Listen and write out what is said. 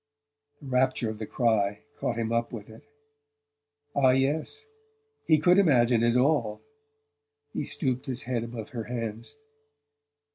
The rapture of the cry caught him up with it. Ah, yes, he could imagine it all! He stooped his head above her hands.